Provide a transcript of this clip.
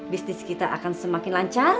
bisnis kita akan semakin lancar